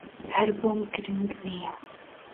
ھەر بۆم گرنگ نییە.